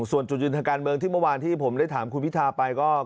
ส่วนจุดยืนทางการเมืองที่เมื่อวานที่ผมได้ถามคุณพิทาไปก็